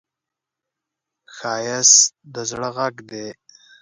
ښایست د زړه غږ دی